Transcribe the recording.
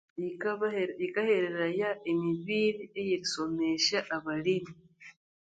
Yikabahere yikahereraya emibiri eyerisomesya abalimi.